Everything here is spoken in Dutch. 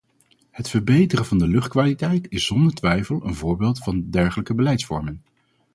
Het verbeteren van de luchtkwaliteit is zonder twijfel een voorbeeld van dergelijke beleidsvormen.